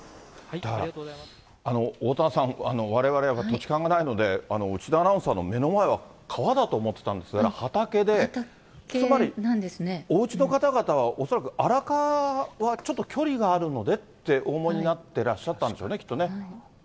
おおたわさん、われわれ、土地勘がないので内田アナウンサーの目の前は川だと思ってたんですが、畑で、つまり、おうちの方々は恐らく、荒川はちょっと距離があるのでってお思いになってらっしゃったんでしょうね、きっとね。